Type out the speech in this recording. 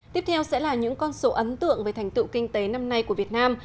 tiếp theo sẽ là những con số ấn tượng về thành tựu kinh tế năm nay của việt nam